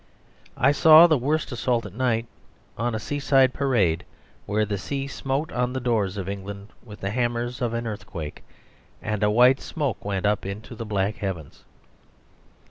I saw the worst assault at night on a seaside parade where the sea smote on the doors of England with the hammers of earthquake, and a white smoke went up into the black heavens.